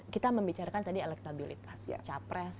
kita membicarakan tadi elektabilitas capres